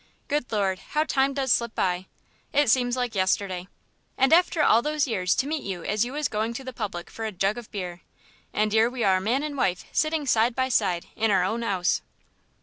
Good Lord, how time does slip by! It seems like yesterday.... And after all those years to meet you as you was going to the public for a jug of beer, and 'ere we are man and wife sitting side by side in our own 'ouse."